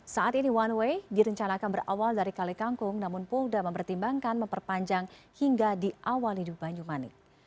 saat ini one way direncanakan berawal dari kali kangkung namun polda mempertimbangkan memperpanjang hingga di awal hidup banyumanik